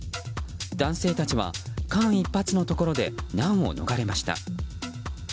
男性たちは間一髪のところで難を逃れました。